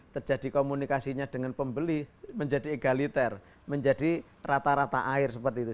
terjadi komunikasinya dengan pembeli menjadi egaliter menjadi rata rata air seperti itu